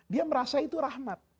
dia merasa itu rahmat